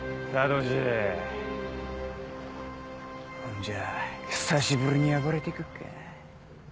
ほんじゃ久しぶりに暴れてくっか。